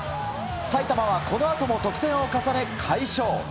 埼玉はこのあとも得点を重ね、快勝。